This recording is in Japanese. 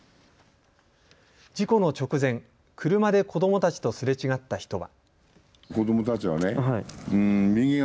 事故の直前、車で子どもたちとすれ違った人は。